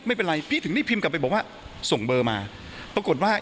ไม่เป็นไรพี่ถึงได้พิมพ์กลับไปบอกว่าส่งเบอร์มาปรากฏว่า